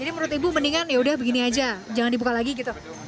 jadi menurut ibu mendingan yaudah begini aja jangan dibuka lagi gitu